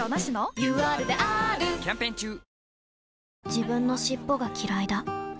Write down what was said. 自分の尻尾がきらいだ